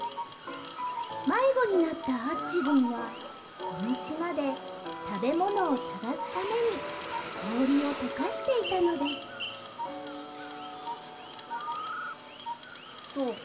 まいごになったアッチゴンはこのしまでたべものをさがすためにこおりをとかしていたのですそうか